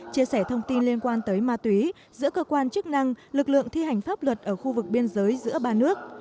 chia sẻ thông tin liên quan tới ma túy giữa cơ quan chức năng lực lượng thi hành pháp luật ở khu vực biên giới giữa ba nước